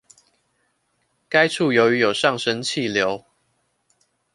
該處由於有上升氣流